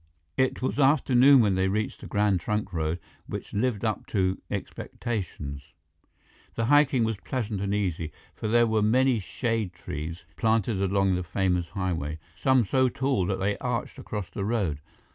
It was afternoon when they reached the Grand Trunk Road, which lived up to expectations. The hiking was pleasant and easy, for there were many shade trees planted along the famous highway, some so tall that they arched across the road.